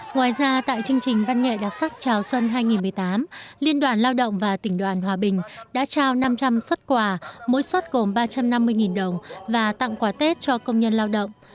ngoài ra tại chương trình văn nghệ đặc sắc chào xuân hai nghìn một mươi tám liên đoàn lao động và tỉnh đoàn hòa bình đã trao năm trăm linh xuất quà mỗi xuất gồm ba trăm năm mươi đồng và tặng quà tết cho công nhân lao động